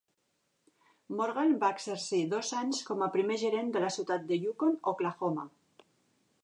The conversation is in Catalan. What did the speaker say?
Morgan va exercir dos anys com a primer gerent de la ciutat de Yukon, Oklahoma.